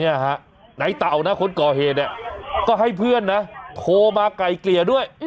ในเต่านะคนก่อเหตุเนี่ยก็ให้เพื่อนนะโทรมาไกลเกลี่ยด้วย